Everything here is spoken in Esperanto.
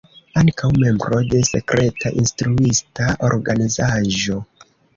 Ankaŭ membro de Sekreta Instruista Organizaĵo.